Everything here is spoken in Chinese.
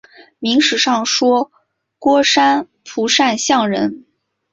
明史上说郭山甫善相人。